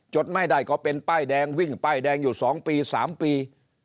ไม่ได้ก็เป็นป้ายแดงวิ่งป้ายแดงอยู่๒ปี๓ปี